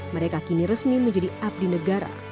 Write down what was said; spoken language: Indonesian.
mereka kini resmi menjadi abdi negara